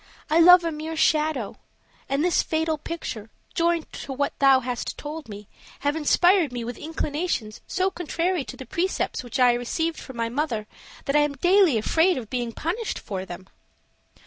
I love a mere shadow; and this fatal picture, joined to what thou hast told me, have inspired me with inclinations so contrary to the precepts which I received from my mother that I am daily afraid of being punished for them."